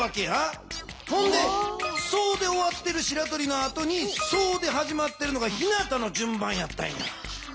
それで「ソ」で終わってるしらとりのあとに「ソ」ではじまってるのがひなたの順番やったんや。